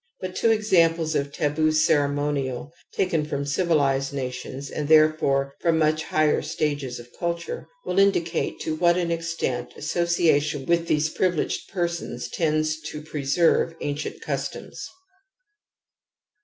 But two examples of taboo ceremonial taken from civilized nations, and therefore from much higher stages of culture, will indicate to what an extent association with these privileged persons tends to preserve ancient customs.